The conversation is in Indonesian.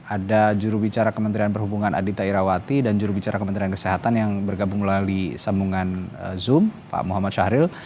ada jurubicara kementerian perhubungan adita irawati dan jurubicara kementerian kesehatan yang bergabung melalui sambungan zoom pak muhammad syahril